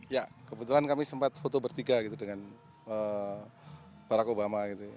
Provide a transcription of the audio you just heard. ya kebetulan kami sempat foto bertiga dengan barack obama